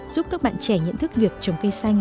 giúp các bạn trẻ nhận thức việc trồng cây xanh